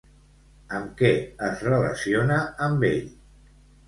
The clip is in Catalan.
Amb què es relaciona amb ell?